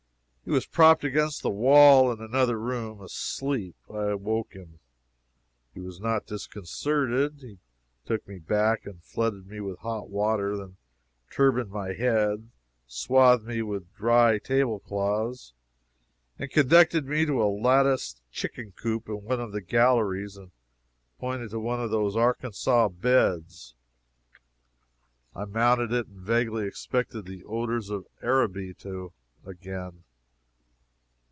He was propped against the wall, in another room, asleep. I woke him. He was not disconcerted. He took me back and flooded me with hot water, then turbaned my head, swathed me with dry table cloths, and conducted me to a latticed chicken coop in one of the galleries, and pointed to one of those Arkansas beds. I mounted it, and vaguely expected the odors of Araby a gain.